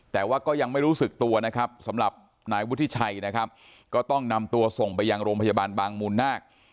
แต่ก็ยังไม่รู้สึกตัวสำหรับนายวุฒิชัยก็ต้องนำตัวส่งไปยังโรงพจบาลบางมุลนาค